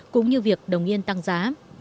cũng như việc đồng yên tăng giá